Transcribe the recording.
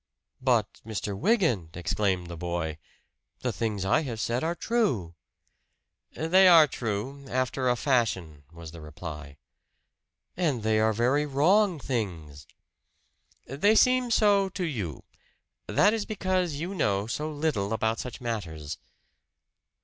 "But, Mr. Wygant," exclaimed the boy, "the things I have said are true!" "They are true after a fashion," was the reply. "And they are very wrong things!" "They seem so to you. That is because you know so little about such matters."